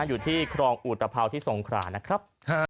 อยู่ที่ครองอุตพาวที่สงขรานะครับ